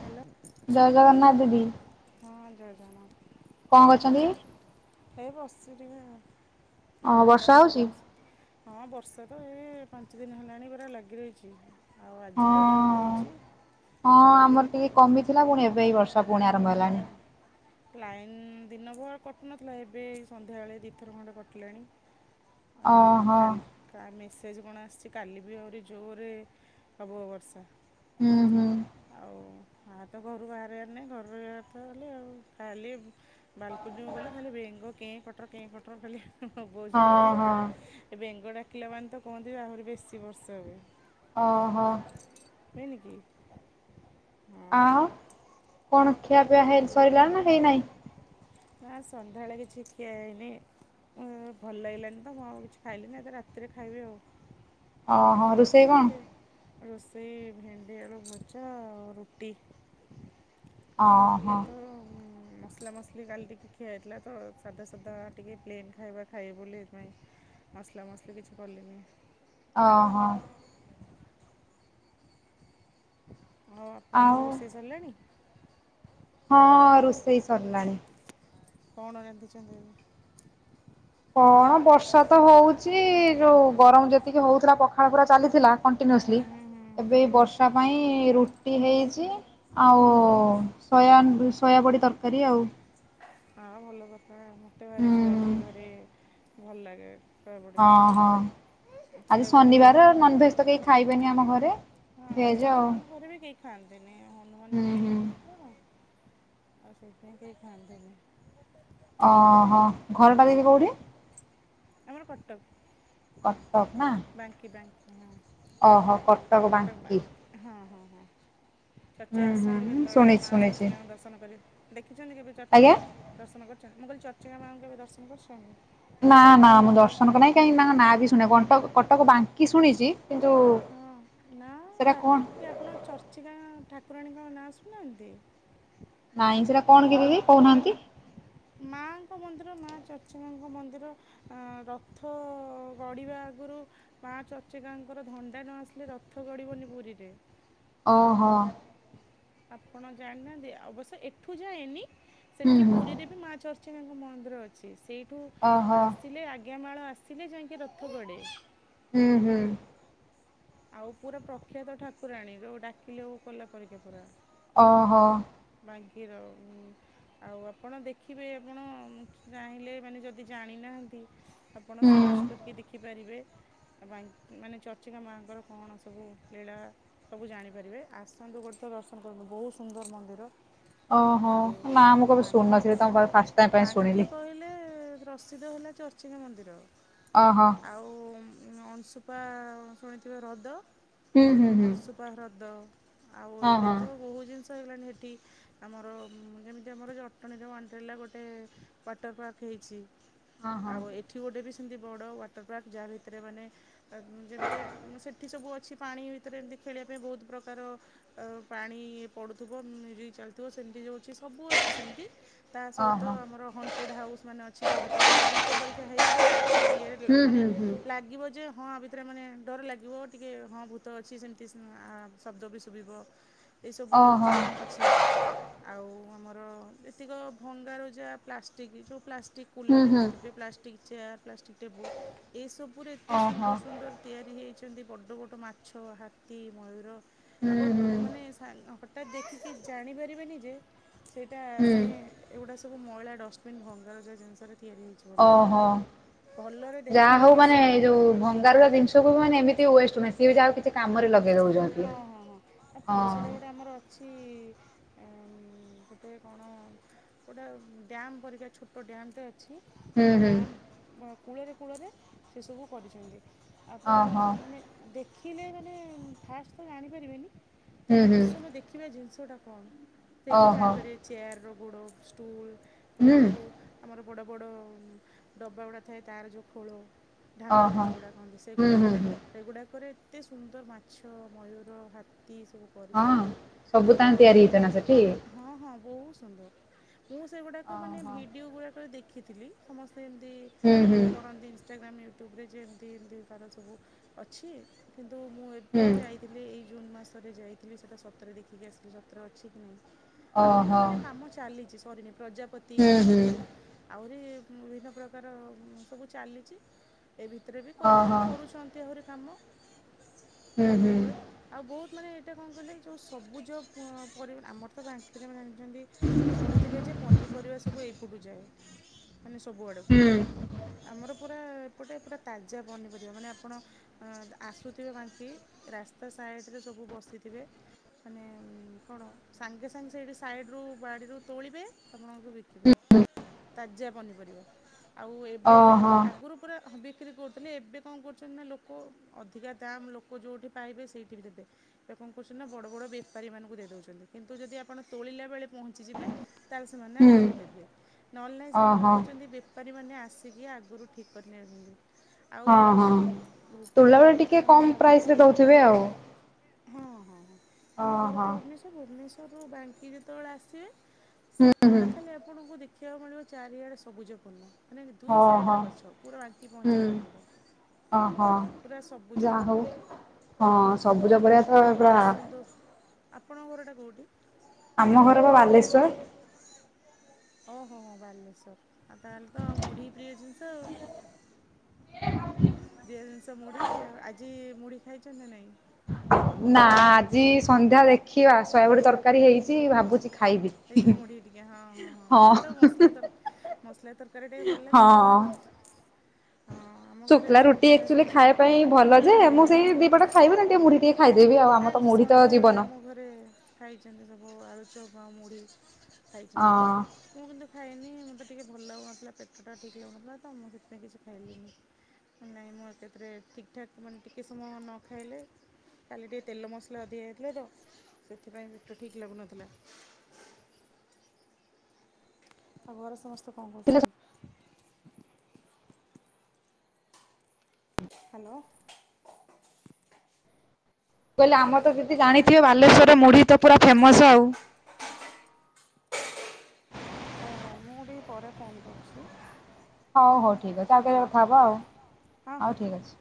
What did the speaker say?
Hello ଜୟ ଜଗନ୍ନାଥ ଦିଦି ହଁ ଜୟ ଜଗନ୍ନାଥ। କଣ କରୁଛନ୍ତି? ଏ ବସି ଟିକେ ଆ ଏଇ ହଁ ପୁଅଡ଼ା ବର୍ଷା ପାଖରେ ହଉଛି? ବସି ହଁ ବର୍ଷା ତ ଏ ପାଞ୍ଚ ଦିନ ହେଲାଣି ପରା ଲାଗି ରହିଛି। ଆଉ ଆଜି ତ ଜୋର ହଁ ହେଇଛି ହଁ ଆଉ ବି। ଆମର ଟିକେ କମିଥିଲା ପୁଣି ଏବେ ଏ ବର୍ଷ ପୁଣି ଆରମ୍ଭ ହେଲାଣି। ଲାଇନ ଦିନ ଭର କଟୁ ନଥିଲା ଏବେ ସନ୍ଧ୍ୟାବେଳେ ଦୁଇଥର ଖଣ୍ଡେ କଟିଲାଣି। ଆଉ ଓହୋ କାଲି ତା ମେସେଜ କଣ ଆସିଛି କାଲି ବି ଆହୁରି ଜୋରରେ ହବ ବର୍ଷା ହୁଁ ହୁଁ ଆଉ ମା ତ ଘରୁ ବାହାରିବାର ନାହି ଘର କଥା ହେଲେ ଆଉ ଖାଲି। ବାଲ୍ କୁନିକୁ ଗଲେ, ଖାଲି ବେଙ୍ଗ କେଁ କଟର କେଁ କଟର ଖାଲି ବୋବଉଛନ୍ତି ହଁ ଯେ ହଁ ଏ ବେଙ୍ଗ ଡାକିଲା ମାନେ ତ କହନ୍ତି, ଆହୁରି ବେଶୀ ବର୍ଷା ହୁଏ। ଅ ହ। ହୁଏନିକି। ଆଉ, କଣ ଖିଆ ପିଆ ହେଇ ସରିଲାଣି ନା ହେଇନାହିଁ? ନା, ସନ୍ଧ୍ୟାଳେ କିଛି ଖିଆ ହେଇନି। ଭଲ ଲାଗିଲାନି ତ, ମୁଁ ଆଉ କିଛି ଖାଇଲିନି। ଏ ତ ରାତିରେ ଖାଇବି ଆଉ। ଅ ହଁ, ରୁଷେଇ କଣ? ରୋଷେଇ ଭେଣ୍ଡି ଆଳୁ ଭଜା ଆଉ ରୁଟି। ଓହୋ ଏତ ମସଲା ମସ୍ କାଲି ଟିକେ ଖିଆ ହେଇଥିଲା ତ, ସାଧା ସାଧା ଟିକେ ପ୍ଲେନ୍ ଖାଇବା ଖାଇ ବୋଲିପାଇଁ। ମସଲା ମସଲି କିଛି କଲିନି। ଅ ହଁ। ଆଉ ଆପଣଙ୍କର ରୋଷେଇ ସରିଲାଣି? ହଁ, ରୋଷେଇ ସରିଲାଣି। କଣ ରାନ୍ଧିଛନ୍ତି ଆଜି? କଣ ବର୍ଷା ତ ହଉଛି, ଯୋଉ ଗରମ ଯେତିକି ହଉଥିଲା ପଖାଳ ପୁରା ଚାଲିଥିଲା। କଣ୍ଟିନ୍ୟୁସଲି, ହୁଁ ଏବେ ହଁ ବର୍ଷା ପାଇଁ ରୁ ଟି ହେଇଛି, ଆଉ ସୟାନ୍ ସୋୟାବଡ଼ି ତରକାରୀ ଆଉ। ଆଁ, ଭଲ କଥା। ମୋତେ ଭାରି ହୁଁ ହୁଁ ସୋୟାବଡ଼ି ଭାରି ଭଲ ଲାଗେ। ସୋୟାବଡ଼ି ହଁ, ହଁ ଆଜି ସୋୟାବଡ଼ି ଶନିବାର, ନନଭେଜ୍ ତ କେହି ଖାଇବେନି ଆମ ଘରେ। ହଁ ଭେଜ ହଁ ଆଉ ଆମ ଘରେ ବି କେହି ଖାଆନ୍ତିନି ହନୁମାନ ହୁଁ ପୂଜା ହୁଁ କରନ୍ତି ତ। ଆଉ ସେଇଥିପାଇଁ କେହି ଖାଆନ୍ତିନି। ଅଁ ହଁ ଆଉ ଘରଟା ଦିଦି କୋଉଠି? ଆମର କଟକ୍। କଟକ୍ ନା? ବାଙ୍କି-ବାଙ୍କି ହଁ, ଓହୋ କଟକ କଟକ୍ ବାଙ୍କି ବାଙ୍କ୍ ହଁ-ହଁ-ହଁ। ହୁଁ ଚର୍ଚି ଆସନ୍ତୁ ହୁଁ କେତେବେଳେ ଶୁଣିଛି ମା ଶୁଣିଛି ଚର୍ଚିକାଙ୍କ ଦର୍ଶନ କରିବେ। ଦେଖିଛନ୍ତି କେବେ ଆଜ୍ଞା ଚର୍ଚିକା? ଦର୍ଶନ କରିଛନ୍ତି, ମୁଁ କହିଲି ଚର୍ଚିାକା ମାଙ୍କୁ କେବେ ଦର୍ଶନ କରିଚନ୍ତି? ନା-ନା ମୁଁ ଦର୍ଶନ କରିନାଇଁ କାଇଁକି, ତାଙ୍କ ନାଁ ବି ଶୁଣିଆ କଟକ- କଟକ ବାଙ୍କି ଶୁଣିଚି। କିନ୍ତୁ ହଁ, ନା ସେଟା କଣ ବାକି ଆପଣ ଚର୍ଚ୍ଚିକା ଠାକୁରାଣୀଙ୍କ ନାଁ ଶୁଣିନାହାଁନ୍ତି? ନାଇଁ ସେଟା କଣ ଦିଦି କହୁନାହାଁନ୍ତି। ମାଙ୍କ ମନ୍ଦିର ମା ଚର୍ଚ୍ଚିକାଙ୍କୁ ମନ୍ଦିର। ଅଁ ରଥ ଗଢ଼ିବା ଆଗରୁ ମାଁ ଚର୍ଚ୍ଚିକାଙ୍କର ଧଣ୍ଡା ନ ଆସିଲେ, ରଥ ଗଡ଼ିବନି ପୁରୀରେ। ଓ ହଁ। ଆପଣ ଜାଣନାହାଁନ୍ତି, ଅବଶ୍ୟ ଏଠୁ ଯାଏନି ହୁଁ ସେଠି ହୁଁ ପୁରୀରେ ବି ମାଁ ଚର୍ ଚିକାଙ୍କ ମନ୍ଦିର ଅଛି। ସେଇଠୁ ଓହୋ ଆସିଲେ ଆଜ୍ଞା ମାଳ ଆସିଲେ ଯାଇଙ୍କି ରଥ ଗଡେ। ଉ ହୁଁ। ଆଉ ପୁରା ପ୍ରଖ୍ୟାତ ଠାକୁରାଣୀ, ଯୋଉ ଡାକିଲେ ଉ କଲା ପରିକା ପୁରା। ଓହୋ। ବାଙ୍କିର ଉଁ ଆଉ, ଆପଣ ଦେଖିବେ, ଆପଣ ଚାହିଁଲେ ମାନେ ଯଦି ଜାଣିନାହାଁନ୍ତି ଆପଣ ହୁଁ ସର୍ଚ୍ଚ କରିକି ଦେଖିପାରିବେ, ବାଙ୍କ୍ ଆ ମାନେ ଚର୍ଚ୍ଚିକା ମାଁ ତାଙ୍କର କଣ ସବୁ ଲୀଳା। ସବୁ ଜାଣିପାରିବେ। ଆସନ୍ତୁ ଗୋଟେ ଥର ଦର୍ଶନ କରନ୍ତୁ ବହୁତ୍ ସୁନ୍ଦର୍ ମନ୍ଦିର। ଓହୋ! ଆଉ ନା ମୁଁ କବେ ଶୁଣୁନଥିଲି। ତମ ପାଖରୁ ଫାଷ୍ଟ ଟାଇମ୍ ପାଇଁ ଶୁଣିଲି। ହେଲେ ପ୍ରସିଦ୍ଧ ହେଲା, ଚର୍ଚ୍ଚିକା ମନ୍ଦିର। ଅହ। ଆଉ ଅଂସୁପା ଶୁଣିଥିବେ ହ୍ରଦ ହୁଁ ହୁଁ ହୁଁ। ପା ହ୍ରଦ ଆଉ ହଁ ଏବେ ହଁ ତ ବହୁତ୍ ଜିନିଷ ହେଇଗଲାଣି ହେଠି। ଆମର ଯେମିତି ଆମର ଜଟଣୀର ୱାଣ୍ଡ୍ରେଲ୍ଲା ଗୋଟେ ୱାଟର ପାର୍କ ହେଇଛି। ହଁ ହଁ ଆଉ ଏଠି ଗୋଟେ ବି ସେମତି ବଡ଼ ୱାଟର ପାର୍କ ଯାହା ଭିତରେ ମାନେ ଆ ଯେମତି ସବୁ ଅଛି ପାଣି ଭିତରେ ଏମିତି ଖେଳିବା ପାଇଁ ବହୁତ ପ୍ରକାର ଆଉ ପାଣି ପଡୁଥିବ ମ୍ୟୁଜିକ୍ ଚାଲିଥିବ ସେମିତି ଯୋଉ ଅଛି ସବୁ ଅଛି ସେମତି। ତା ସହିତ ଓହୋ ଆମର ହଣ୍ଟେଡ଼୍ ହାଉସ୍ ମାନେ ଅଛି ଯୋଉ ଭିତରେ ମାନେ ଭୂତ ପରିକା ହେଇଥିବ ଲାଇଟ୍ ଫାଇଟ୍ ଇଏରେ ଲେ ହୁଁ ମାନେ ହୁଁ ହୁଁ ଲାଗିବ ଯେ ହଁ ଆ ଭିତରେ ଆ ମାନେ ଡର ଲାଗିବ ଟିକେ ହଁ ଭୂତ ଅଛି ସେମତି ଆ ଶବ୍ଦ ବି ଶୁଭିବ। ଏସବୁ ଉମ୍ ଓହୋ ଅଛି। ଆଉ ଆମର ଯେତିକ ଭଙ୍ଗାରୁଜା ପ୍ଲାଷ୍ଟିକ୍ ଯୋଉ ପ୍ଲାଷ୍ଟିକ୍ ହୁଁ କୁଲା ହୁଁ ଦେଖିଥିବେ ପ୍ଲାଷ୍ଟିକ୍ ଚେୟାର୍, ପ୍ଲାଷ୍ଟିକ୍ ଟେବୁଲ୍ ଏସବୁୁରେ ଏତେ ଓହୋ ସୁନ୍ଦର ସୁନ୍ଦର ତିଆରି ହେଇଛନ୍ତି ବଡ଼ ବଡ଼ ମାଛ, ହାତୀ, ମୟୂର ହୁଁ ଆପଣ ହୁଁ ମାନେ ସାନ୍ ହଟ୍ ହଟାତ୍ ଦେଖିକି ଜାଣିପାରିବେନି ଯେ ସେଇଟା ହୁଁ ମାନେ ଏଗୁଡ଼ା ସବୁ ମଇଳା ଡଷ୍ଟବିନ୍ ଭଙ୍ଗାରୁଜା ଜିନିଷରେ ତିଆରି ହୋଇଛି। ଓହୋ ଯାହା ଦେଖିବେ ହଉ ମାନେ କି ଏଇ ଯୋଉ ଭଙ୍ଗ ଙ୍ଗାରୁଜା ଜିନିଷକୁ ମାନେ ବି ଏମିତି ୱେଷ୍ଟ ନୁହେଁ ସିଏ ବି ଯାହା ହଉ କିଛି କାମରେ ଲଗ ହଁ ହଁ ହଁ ଆ ସେଇଟା ଗୋଟେ ଆମର ଅଛି ଅଁ ଗୋଟେ କଣ ଗୋଟେ ଡ୍ୟାମ୍ ପରିକା ଛୋଟ ଡ୍ୟାମ୍ ଟେ ଅଛି ସେ ହୁଁ ହୁଁ ଡ୍ୟାମ୍ କୂଳରେ-କୂଳରେ ସେସବୁ କରିଛନ୍ତି। ଆପଣ ଓହୋ ମାନେ ଦେଖିଲେ ମାନେ ଫାଷ୍ଟ ତ ଜାଣିପାରିବେନି। ହୁଁ ତାକ୍ ହୁଁ କିଛି ସମୟ ଦେଖିବା ଜିନିଷ ଟା କଣ ସେଇଠୁ ଓହୋ ଜାଣିପାରିବେ। ଚେୟାର୍ ର ଗୋଡ଼ ଷ୍ଟୁଲ୍ ଗୋଟେ ହୁଁ ଏଠି ଯୋଉ ଆମର ବଡ଼ ବଡ଼ ଡବା ଗୁଡ଼ା ଥାଏ ତାର ଯୋଉ ଖୋଳ ଢାଙ୍କୁଣୀ ଓହୋ ଯୋଉ ଗୁଡ଼ା କହନ୍ତି ହୁଁ ସେଗୁଡ଼ା ହୁଁ ହୁଁ ସେଗୁଡା଼କରେ ଏତେ ସୁନ୍ଦର ମାଛ, ମୟୂର, ହାତୀ ସବୁ ହଁ କରିଛନ୍ତି ସବୁ ତା ହଁ ହେନେ ତିଆରି ହେଇଥାଏ ନା ସେଠି ହଁ ହଁ ବହୁତ ସୁନ୍ଦର ମୁଁ ସେଗୁଡ଼ାକ ମାନେ ଓହୋ ଭିଡ଼ିଓ ଗୁଡ଼ାକରେ ଦେଖି ଦେଖିଥିଲି ସମସ୍ତେ ହୁଁ ହୁଁ ଏମିତି କରନ୍ତି ଇନଷ୍ଟାଗ୍ରାମ ୟୁଟୁ ୟୁଟୁଭ ରେ ଯେମିତି ଏମିତି ତାର ସବୁ ଅଛି କିନ୍ତୁ ମୁଁ ଏବେ ହୁଁ ଯାଇ ଥିଲି ଏଇ ଜୁନ୍ ମାସରେ ଯାଇଥିଲି ସେଇଟା ସତରେ ଦେଖିକି ଆସିଲି ସତରେ ଅଛି କି ନାଇଁ। ଆହୁରି ବି ଓହୋ ମାନେ କାମ ଚାଲିଚି ସରିନି ପ୍ରଜାପତି ହୁଁ ହେଇଚି ହୁଁ ବି ଆହୁରି ବିଭିନ୍ନ ପ୍ରକାର ସବୁ ଚାଲିଚି ଏ ଭିତରେ ବି କରି ଓହୋ କରୁଛନ୍ତି। ଛନ୍ତି ଆହୁରି କାମ। ହୁଁ ତା କୂଳେ ହୁଁ କୂଳେ ଆଉ ବହୁତ ମାନେ ଏଇଟା କଣ କହିଲେ ଏ ଯୋଉ ସବୁଜ ଉ ପରି ଆମର ତ ଜାଣିଥିବେ ମୁ ଜାଣିନି। ଛନ୍ତି ଶୁଣିଥିବେ ଯେ ପନିପରିବା ସବୁ ଏଇପଟୁ ଯାଏ। ମାନେ ସବୁଆଡ଼କୁ ହୁଁ ଆମର ପୁରା ଏପଟେ ପୁରା ତାଜା ପନିପରିବା ମାନେ ଆପଣ ଅଁ ଆସୁଥିବେ କି ରାସ୍ତା ସାଇଡ଼ରେ ସବୁ ବସିଥିବେ ମାନେ କଣ ସାଙ୍ଗେ ସାଙ୍ଗେ ସେଇଠି ସାଇଡ଼ରୁୁ ବାଡ଼ିରୁ ତୋଳିବେ ଆପଣଙ୍କୁ ବିକିବେ। ତାଜା ପନିପରିବା ଆଉ ଏବେ ଏବେ ଓହୋ ଆଗରୁ ପୁରା ହଁ ବିକ୍ରି କରୁଥିଲେ ଏବେ କଣ କରୁଛନ୍ତି ନା ଲୋକ ଅଧିକା ଦାମ୍ ଲୋକ୍ ଲୋକ ଯୋଉଠି ପାଇବେ ସେଇଠି ବି ଦେବେ। ଏବେ କଣ କରୁଛନ୍ତି ନା ବଡ଼ ବଡ଼ ବେପାରୀମାନଙ୍କୁ ଦେଇ ଦେଉଛନ୍ତି କିନ୍ତୁ ଯଦି ଆପଣ ତୋଳିଲା ବେଳେ ପହଞ୍ଚିଯିବେ ତାହେଲେ ସେମାନେ ହୁଁ ଆପଣଙ୍କୁ ଦେବେ ନହେଲେ ନାଇଁ ସେମାନେ କଣ ଓହୋ କରୁଛନ୍ତି ବେ ବେପାରୀମାନେ ଆସିକି ଆଗରୁ ଠିକ୍ କରି ନେଇଯାଉଛନ୍ତି। ଆଉ ହଁ ହଁ। ମୁଁ ତୁଳା ବେଳେ ଟିକେ ମାନେ ମୁଁ କମ୍ ଆ ପ୍ରାଇସ୍ ରେ ଘର ତ ଦଉଥିବେ ଆଉ ହଁ ହଁ ହଁ ତମ ଘର ଓହୋ ତ ଭୁବନେଶ୍ୱର ଏ ଭୁବନେଶ୍ୱରରୁ ବାଙ୍କି ଯେତେବେଳେ ଆସିବେ ହୁଁ ହୁଁ। ସେତେବେଳେ ଖାଲି ଆପଣ ଆପଣଙ୍କୁ ଦେଖିବାକୁ ମିଳିବ ଚାରିଆଡ଼େ ସବୁଜପୂର୍ଣ୍ଣ। ମାନେ ଦୁଇ ହଁ ହଁ ସାଇଡ଼ରେ ଗଛ। ପୁରା ବାଙ୍କି ପହଞ୍ଚିଲା ପର୍ଯ୍ୟନ୍ତ। ଅ ହଁ। ପୁରା ଯା ସବୁଜପୂର୍ଣ୍ଣ ହଉ ହଁ ସବୁଜ ପରିବା ଆଉ ତ ପୁରା ଆସନ୍ତୁ। ଆପଣଙ୍କ ଘରଟା କୋଉଠି? ଆମ ଘର ବା ବାଲେଶ୍ଵର। ଓହୋ ହୋ ହ ବାଲେଶ୍ୱର। ଆଉ ତାହେଲେ ତ ମୁଢ଼ି ପ୍ରିୟ ଜିନିଷ ଆଉ। ପ୍ରିୟ ଜିନିଷ ମୁଢ଼ି। ଆଜି ମୁଢ଼ି ଖାଇଚନ୍ତି ନା ନାଇଁ? ନା। ଆଜି ସନ୍ଧ୍ୟା ଦେଖିବା, ସୋୟାବଡି ତରକାରୀ ହେଇଛି। ଭାବୁଛି ଖାଇବି। ସେଇଥିରେ ମୁଢ଼ି ଟିକେ ହଁ ହଁ ହଁ ସେଇ ତ ମସଲା ତର ମସଲା ତରକାରୀରେ ଟିକେ ଭଲ ଲାଗେ ହଁ ଆଉ। ହଁ। ଆମ ଘରେ ଶୁଖିଲା ରୁଟି ସନ୍ଧ୍ୟାବେଳେ ଏକଚୁଆଲି ସମସ୍ତେ ଖାଇବା ପାଇଁ ଭଲ ଯେ, ମୁଁ ସେଇ ଦିପଟ ଖାଇବି ନ ହେଲେ ମୁଢ଼ି ଟିକେ ଖାଇଦେବି ଆଉ। ଆମର ତ ମୁଢ଼ି ତ ଜୀବନ। ରେ ଖାଇଛନ୍ତି ସବୁ ଆଳୁଚପ ଆଉ ମୁଢ଼ି ହଁ ଖାଇଛନ୍ତି? ମୁଁ କିନ୍ତୁ ଖାଏନି। ମୋତେ ଟିକେ ଭଲ ଲାଗୁନଥିଲା ପେଟ ଟା ଠିକ୍ ଲାଗୁନଥିଲା, ତ ମୁଁ ସେଥିପାଇଁ କିଛି ଖାଇଲିନି। ନାଇଁ ମୁଁ ଏକାଥରେ ଠିକ୍ ଠାକ୍ ମାନେ ଟିକେ ସମୟ ନ ଖାଇଲେ କାଲି ଟିକେ ତେଲ ମସଲା ଅଧିକା ହେଇଯାଇଥିଲା ତ, ସେଥିପାଇଁ ପେଟ ଠିକ୍ ଲାଗୁନଥିଲା। ଆଉ ଘରେ ସମସ୍ତେ କଣ ହେଲେ କରୁଛନ୍ତି? ହାଲୋ। ମୁଁ କହିଲି ଆମର ତ ଦିଦି ଜାଣିଥିବେ ବାଲେଶ୍ଵରରେ ମୁଢ଼ି ତ ପୁରା ଫେମସ ଆଉ। ହଉ ହଉ। ମୁଁ ଟିକେ ପରେ ଫୋନ୍ କରୁଛି? ହଉ ହଉ ଠିକ୍ ଅଛି। ଆଉ କେବେ ହଁ ହଁ କଥା ହବା ଆଉ। ହଁ ହଉ ହଁ ଠିକ୍ ଅଛି।